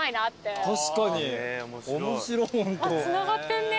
つながってんね！